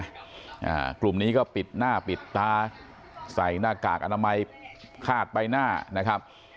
อ่ากลุ่มนี้ก็ปิดหน้าปิดตาใส่หน้ากากอนามัยคาดใบหน้านะครับ